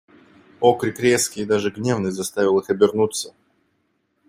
Окрик резкий и даже гневный заставил их обернуться.